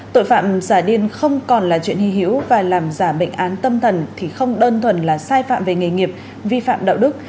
tội phạm giả điên không còn là chuyện hy hiểu và làm giả bệnh án tâm thần thì không đơn thuần là sai phạm về nghề nghiệp vi phạm đạo đức